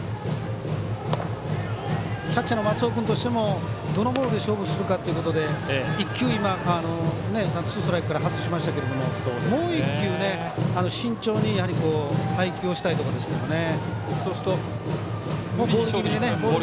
キャッチャーの松尾君としてもどのボールで勝負するかということで１球、ツーストライクから外しましたけどもう１球、慎重に配球をしたいところですね。